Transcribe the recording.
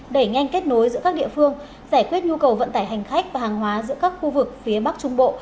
đẩy nhanh kết nối giữa các địa phương giải quyết nhu cầu vận tải hành khách và hàng hóa giữa các khu vực phía bắc trung bộ